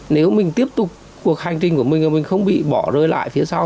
nếu mình tiếp tục cuộc hành trình của mình và mình không bị bỏ rơi lại phía sau